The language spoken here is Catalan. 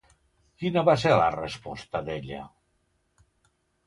Quina va ser la resposta d'ella?